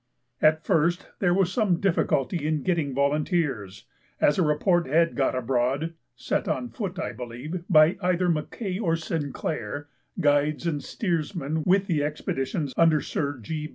At first there was some difficulty in getting volunteers, as a report had got abroad (set on foot, I believe, by either M'Kay or Sinclair, guides and steersmen with the expeditions under Sir G.